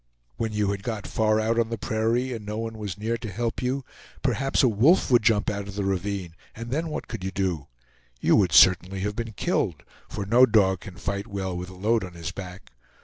When you had got far out on the prairie, and no one was near to help you, perhaps a wolf would jump out of the ravine; and then what could you do? You would certainly have been killed, for no dog can fight well with a load on his back.